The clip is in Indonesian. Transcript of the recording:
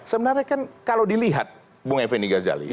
sebenarnya kan kalau dilihat bung ebenezer ini